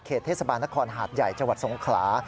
เทศบาลนครหาดใหญ่จังหวัดสงขลา